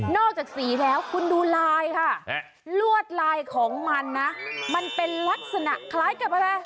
จากสีแล้วคุณดูลายค่ะลวดลายของมันนะมันเป็นลักษณะคล้ายกับอะไร